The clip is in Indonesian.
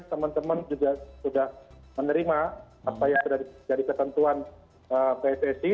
teman teman juga sudah menerima apa yang sudah jadi ketentuan pssi